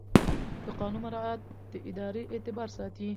د قانون مراعات د ادارې اعتبار ساتي.